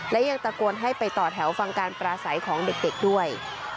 และยังตะโกนให้ไปต่อแถวฟังการปราศัยของเด็กด้วย